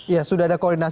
ya sudah ada koordinasi pak